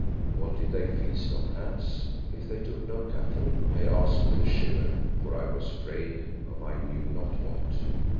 "What did they feast on, Hans, if they took no cattle?" I asked with a shiver, for I was afraid of I knew not what.